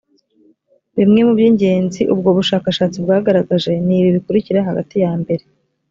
bimwe mu by ingenzi ubwo bushakashatsi bwagaragaje ni ibi bikurikira hagati ya mbere